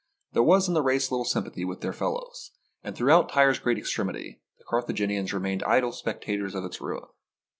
There was in the race little sympathy with their fellows, and throughout Tyre's great extremity, the Carthaginians remained idle spectators of its ruin.